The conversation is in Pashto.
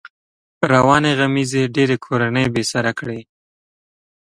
روانې غمېزې ډېری کورنۍ بې سره کړې.